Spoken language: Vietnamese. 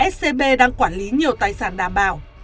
scb đang quản lý nhiều tài sản đảm bảo